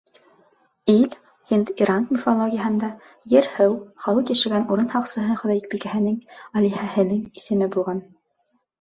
Иль һинд-иран мифологияһында Ер-һыу, халыҡ йәшәгән урын һаҡсыһы хоҙайбикәһенең, алиһәһенең исеме булған.